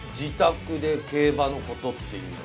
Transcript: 自宅で競馬のことっていうのは。